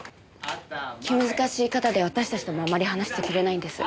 気難しい方で私たちともあまり話してくれないんです。